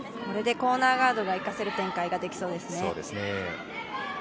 これでコーナーガードが生かせる展開ができそうですね。